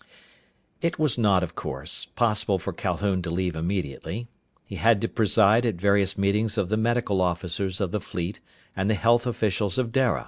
It was not, of course, possible for Calhoun to leave immediately. He had to preside at various meetings of the medical officers of the fleet and the health officials of Dara.